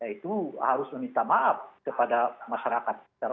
ya itu harus meminta maaf kepada masyarakat secara umum